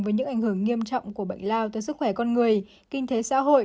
với những ảnh hưởng nghiêm trọng của bệnh lao tới sức khỏe con người kinh tế xã hội